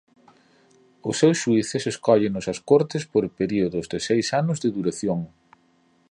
Os seus xuíces escóllennos as cortes por períodos de seis anos de duración.